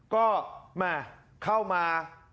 ก็แม่เข้ามา